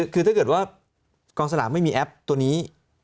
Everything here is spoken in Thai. คือถ้าเกิดว่ากองสลากไม่มีแอปตัวนี้